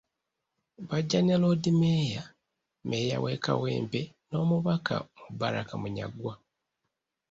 Bajja ne Loodi meeya, Meeya we Kawempe n’omubaka Mubaraka Munyagwa.